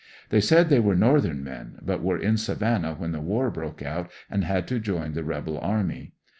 They said they were northern men, but were in Savannah when the war broke out and had to join the rebel army.